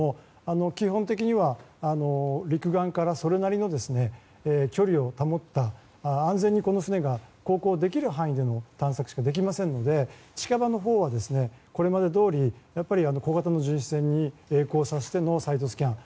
基本的には陸側からそれなりの距離を保った安全に船が航行できる範囲しか探索ができませんので近場のほうはこれまでどおり小型の巡視船に曳航させてのサイドスキャン。